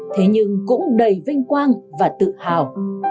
thế nhưng cũng đầy vinh quang và tự hào